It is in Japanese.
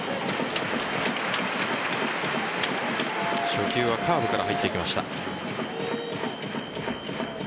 初球はカーブから入っていきました。